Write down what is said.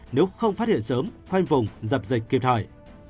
nếu không phát hiện sớm khoanh vùng dập dịch kịp thời